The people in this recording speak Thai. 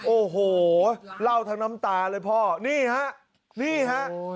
โอ้โหเล่าทั้งน้ำตาเลยพ่อนี่ฮะนี่ฮะ